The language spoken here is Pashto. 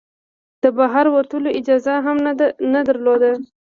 د بهر وتلو اجازه هم نه درلوده.